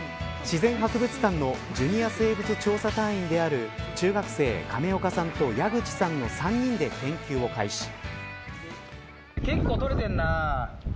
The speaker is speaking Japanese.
自然博物館のジュニア生物調査隊員である中学生の亀岡さんと矢口さんの３人で研究を開始。